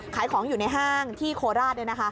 ขายของอยู่ในห้างที่โคราช